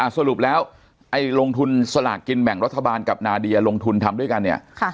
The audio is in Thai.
สรุปแล้วไอ้ลงทุนสลากกินแบ่งรัฐบาลกับนาเดียลงทุนทำด้วยกันเนี่ย